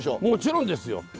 もちろんですよ。